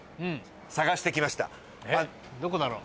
どこだろう？